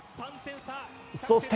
そして。